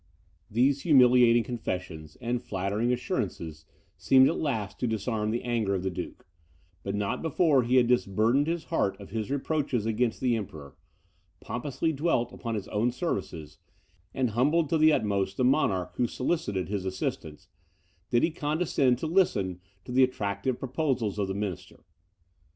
These humiliating confessions, and flattering assurances, seemed at last to disarm the anger of the duke; but not before he had disburdened his heart of his reproaches against the Emperor, pompously dwelt upon his own services, and humbled to the utmost the monarch who solicited his assistance, did he condescend to listen to the attractive proposals of the minister.